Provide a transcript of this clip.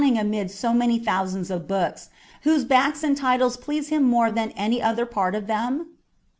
271 amid so many thousands of books, whose backs and titles please him more than any other part of them